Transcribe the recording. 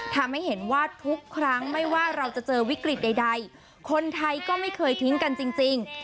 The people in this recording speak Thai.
ทำให้เห็นว่าทุกครั้งไม่ว่าเราจะเจอวิกฤตใดคนไทยก็ไม่เคยทิ้งกันจริง